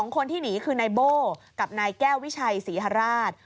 คนที่หนีคือนายโบ้กับนายแก้ววิชัยศรีฮราช